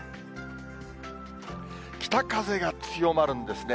北風が強まるんですね。